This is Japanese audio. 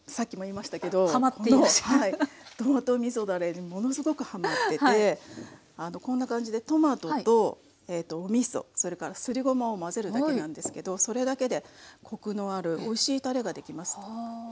だれにものすごくはまっててこんな感じでトマトとおみそそれからすりごまを混ぜるだけなんですけどそれだけでコクのあるおいしいたれが出来ます。